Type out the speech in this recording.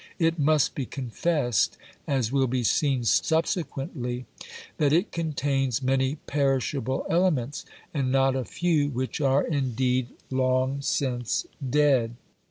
It must be confessed, as will be seen subsequently, that it contains many perishable elements, and not a few which are, indeed, long since dead.